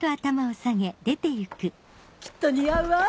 きっと似合うわ。